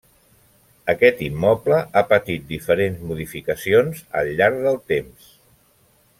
Aquest immoble ha patit diferents modificacions al llarg del temps.